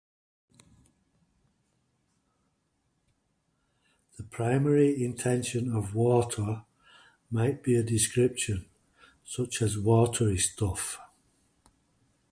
The primary intension of "water" might be a description, such as "watery stuff".